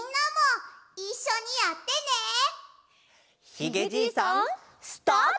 「ひげじいさん」スタート！